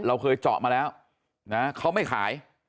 เราเคยเจาะมาแล้วนะเขาไม่ขาย